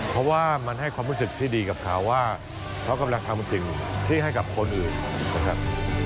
เพราะว่ามันให้ความรู้สึกที่ดีกับเขาว่าเขากำลังทำสิ่งที่ให้กับคนอื่นนะครับ